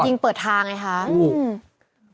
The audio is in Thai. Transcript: ยิงเปิดทางไอ้ค้าอืม